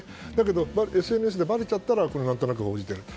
でもＳＮＳでばれちゃったから何となく報じている。